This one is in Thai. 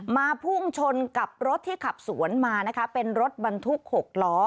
พุ่งชนกับรถที่ขับสวนมานะคะเป็นรถบรรทุก๖ล้อ